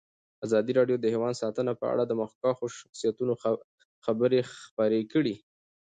ازادي راډیو د حیوان ساتنه په اړه د مخکښو شخصیتونو خبرې خپرې کړي.